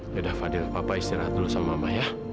yaudah fadil papa istirahat dulu sama mama ya